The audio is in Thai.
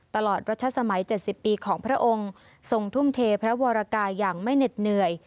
ตลอดรัชสมัย๗๐ปีของพระองค์ทรงทุ่มเทพระวรกายอย่างไม่เหน็ดเหนื่อย